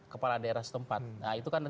kepala daerah setempat nah itu kan